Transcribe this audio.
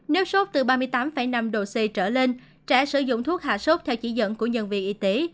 nếu sốt từ ba mươi tám năm độ c trở lên trẻ sử dụng thuốc hạ sốt theo chỉ dẫn của nhân viên y tế